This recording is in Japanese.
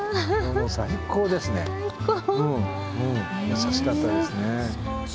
美しかったですね。